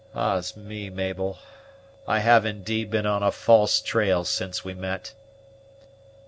Ah's me, Mabel! I have indeed been on a false trail since we met."